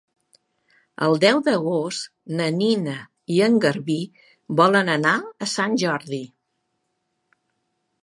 El deu d'agost na Nina i en Garbí volen anar a Sant Jordi.